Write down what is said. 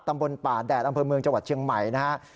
ตำบลป่าแดดอำเภอเมืองจังหวัดเชียงใหม่นะครับ